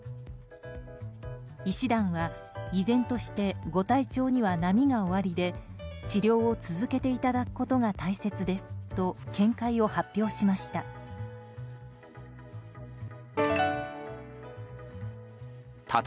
医師団は、依然としてご体調には波がおありで治療を続けていただくことが大切ですと見解を発表しました。